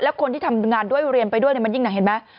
แล้วคนที่ทำงานด้วยเรียนไปด้วยมันยิ่งหนักเห็นไหม